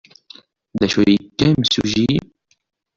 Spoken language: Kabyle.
D acu ay iga yimsujji?